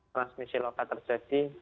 transmisi lokal terjadi